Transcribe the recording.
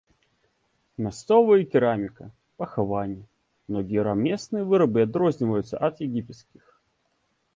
Мясцовыя кераміка, пахаванні, многія рамесныя вырабы адрозніваюцца ад егіпецкіх.